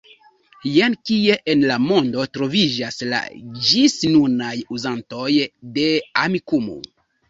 Jen kie en la mondo troviĝas la ĝisnunaj uzantoj de Amikumu.